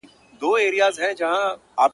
قبرکن به دي په ګورکړي د لمر وړانګي به ځلېږي-